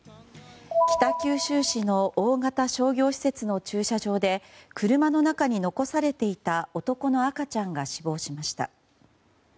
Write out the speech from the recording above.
北九州市の大型商業施設の駐車場で車の中に残されていた男の赤ちゃんが死亡しました。